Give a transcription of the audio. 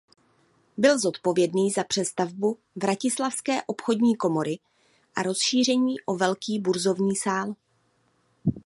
Byl zodpovědný za přestavbu Vratislavské obchodní komory a rozšíření o velký burzovní sál.